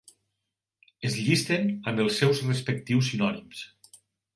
Es llisten amb els seus respectius sinònims.